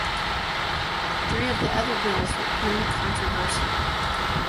Three of the other bills were uncontroversial.